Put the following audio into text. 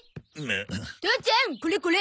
父ちゃんこれこれ。